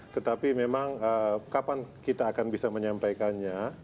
tetapi memang kapan kita akan bisa menyampaikannya